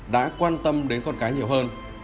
đã quan tâm đến con cái nhiều hơn